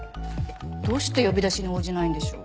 どうして呼び出しに応じないんでしょう？